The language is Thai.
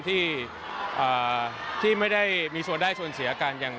ที่ไม่ได้มีส่วนได้ส่วนเสียกันอย่าง